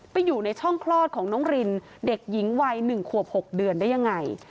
อยู่ในช่องคลอดของน้องรินเด็กหญิงวัย๑ขวบ๖เดือนได้ยังไง